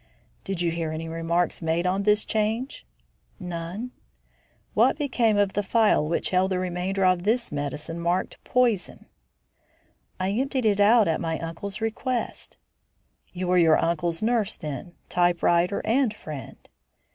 "Did you hear any remarks made on this change?" "None." "What became of the phial which held the remainder of this medicine marked 'Poison'?" "I emptied it out at my uncle's request." "You were your uncle's nurse, then, typewriter, and friend?"